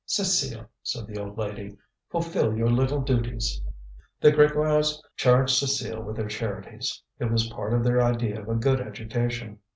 "Cécile," said the old lady, "fulfil your little duties." The Grégoires charged Cécile with their charities. It was part of their idea of a good education.